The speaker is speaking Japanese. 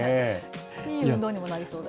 いい運動にもなりそうで。